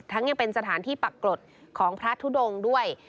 ยังเป็นสถานที่ปรากฏของพระทุดงด้วย